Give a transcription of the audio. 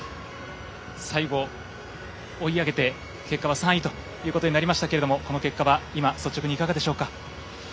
最後、追い上げて結果は３位となりましたがこの結果は今、率直にいかがでしょうか？